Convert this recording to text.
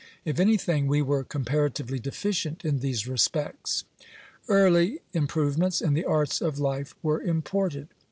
If anything, we were comparatively deficient in these respects. Early im provements in the arts of life were imported.